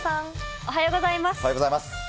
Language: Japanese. おはようございます。